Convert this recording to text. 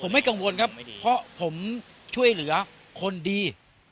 ไม่กังวลครับเพราะผมช่วยเหลือคนดี